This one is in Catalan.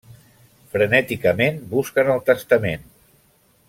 Frenèticament busquen el testament.